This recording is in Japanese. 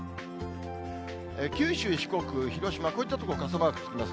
九州、四国、広島、こういった所傘マークつきます。